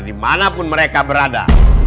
dimanapun mereka berada